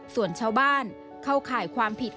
ส่วนชาวบ้านเข้าข่ายความผิด